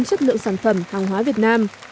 chất lượng sản phẩm hàng hóa việt nam